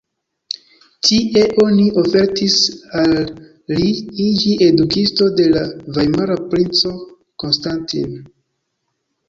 Tie oni ofertis al li iĝi edukisto de la vajmara princo Konstantin.